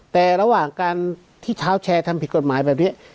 แต่ระหว่างการที่เท้าแชร์ทำผิดกฎหมายแบบนี้